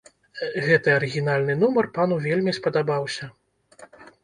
Гэты арыгінальны нумар пану вельмі спадабаўся.